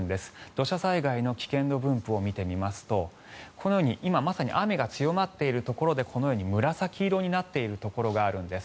土砂災害の危険度分布を見てみますとこのように今まさに雨が強まっているところでこのように紫色になっているところがあるんです。